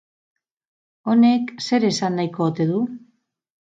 Honek zer esan nahiko ote du?